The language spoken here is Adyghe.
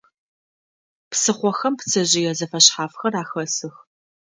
Псыхъохэм пцэжъые зэфэшъхьафхэр ахэсых.